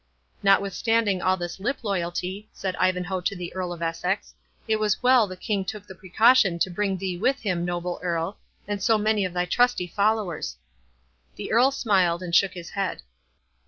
"Notwithstanding all this lip loyalty," said Ivanhoe to the Earl of Essex, "it was well the King took the precaution to bring thee with him, noble Earl, and so many of thy trusty followers." The Earl smiled and shook his head.